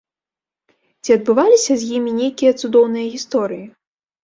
Ці адбываліся з імі нейкія цудоўныя гісторыі?